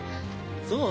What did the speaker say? そう？